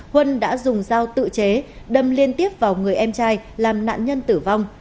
huân đã dùng dao tự chế đâm liên tiếp vào người em trai làm nạn nhân tử vong